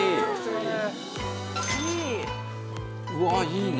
うわあいいね。